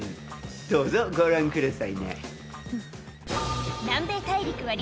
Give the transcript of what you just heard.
どうぞご覧くださいね。